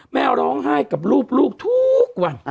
แม่ร้องไห้กับรูปลูกทุกวัน